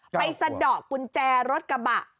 สะดอกกุญแจรถกระบะ